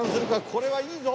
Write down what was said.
これはいいぞ！